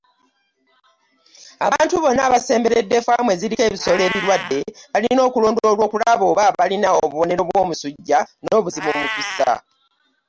Abantu bonna abasemberedde faamu eziriko ebisolo ebirwadde balina okulondoolwa okulaba oba balina obubonero bw’omusujja n’obuzibu mu kussa.